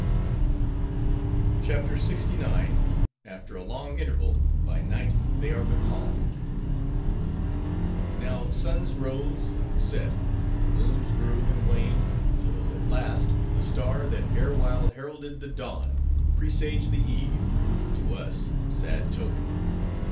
CHAPTER LXIX. After A Long Interval, By Night They Are Becalmed Now suns rose, and set; moons grew, and waned; till, at last, the star that erewhile heralded the dawn, presaged the eve; to us, sad token!